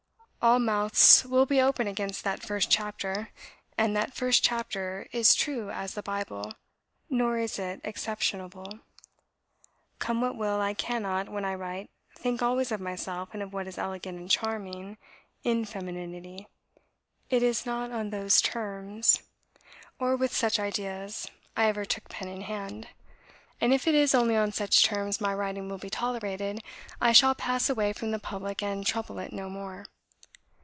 All mouths will be open against that first chapter; and that first chapter is true as the Bible, nor is it exceptionable. Come what will, I cannot, when I write, think always of myself and of what is elegant and charming in femininity; it is not on those terms, or with such ideas, I ever took pen in hand: and if it is only on such terms my writing will be tolerated, I shall pass away from the public and trouble it no more.